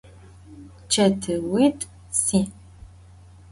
Çetıuit'u si'.